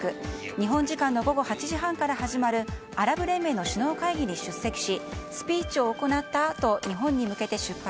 日本時間の午後８時半から始まるアラブ連盟の首脳会談に出席しスピーチを行ったあと日本に向けて出発。